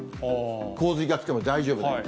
洪水が来ても大丈夫なように。